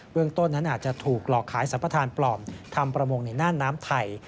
เรื่องต้นนั้นอาจจะถูกหลอกขายสัมปทานปลอมทำประมงในน่านน้ำไทย